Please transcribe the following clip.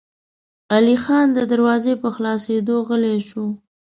علی خان د دروازې په خلاصېدو غلی شو.